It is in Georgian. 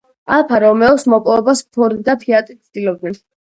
ალფა რომეოს მოპოვებას ფორდი და ფიატი ცდილობდნენ.